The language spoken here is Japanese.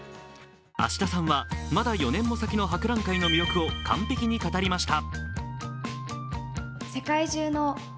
芦田さんはまだ４年も先の博覧会の魅力を完璧に語りました。